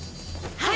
はい！